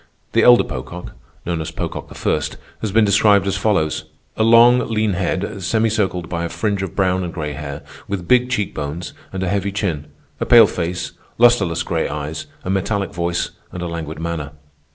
The elder Pocock, known as Pocock I., has been described as follows: "A long, lean head, semicircled by a fringe of brown and gray hair, with big cheek bones and a heavy chin, ... a pale face, lustreless gray eyes, a metallic voice, and a languid manner."